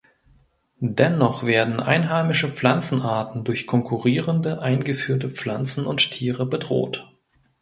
Dennoch werden einheimische Pflanzenarten durch konkurrierende eingeführte Pflanzen und Tiere bedroht.